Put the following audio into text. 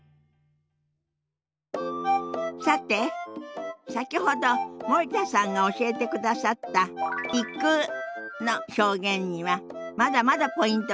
さて先ほど森田さんが教えてくださった「行く」の表現にはまだまだポイントがあるようよ。